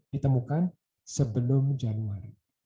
ditemukan sebelum januari